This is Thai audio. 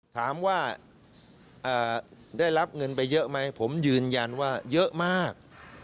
ถามว่าได้รับเงินไปเยอะไหมผมยืนยันว่าเยอะมาก